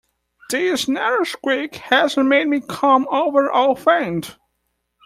This narrow squeak has made me come over all faint.